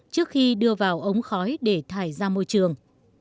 trước khi đưa vào ống khói để thải ra môi trường